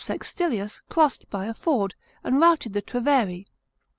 361 Sextilius crossed by a ford, and routed the Treveri.